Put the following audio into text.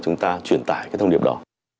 chúng ta truyền tải cái thông điệp đó